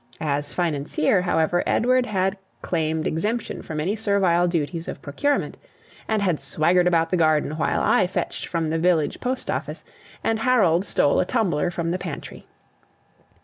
As financier, however, Edward had claimed exemption from any servile duties of procurement, and had swaggered about the garden while I fetched from the village post office, and Harold stole a tumbler from the pantry.